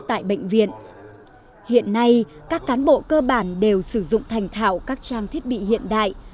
tại bệnh viện hiện nay các cán bộ cơ bản đều sử dụng thành thảo các trang thiết bị hiện đại